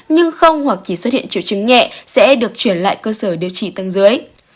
nhưng không hoặc chỉ xuất hiện triệu chứng nhẹ sẽ được chuyển lại cơ sở điều trị tăng dưới